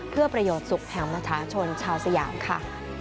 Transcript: เพื่อประโยชน์สุขแห่งประชาชนชาวสยามค่ะ